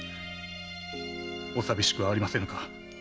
お寂しくはありませぬか？